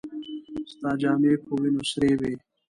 ستا جامې په وينو سرې وې.